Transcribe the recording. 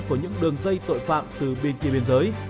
của những đường dây tội phạm từ bên kia biên giới